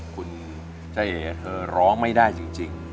คุณเจเหเรา้งไม่ได้จริง